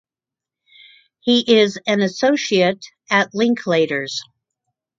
He is an associate at Linklaters.